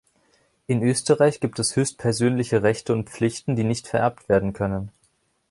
In Österreich gibt es höchstpersönliche Rechte und Pflichten, die nicht vererbt werden können.